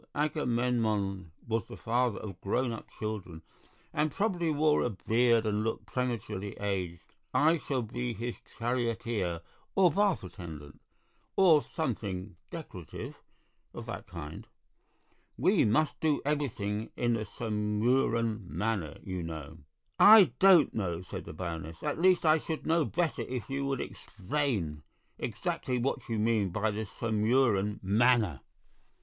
Agamemnon was the father of grown up children, and probably wore a beard and looked prematurely aged. I shall be his charioteer or bath attendant, or something decorative of that kind. We must do everything in the Sumurun manner, you know." "I don't know," said the Baroness; "at least, I should know better if you would explain exactly what you mean by the Sumurun manner."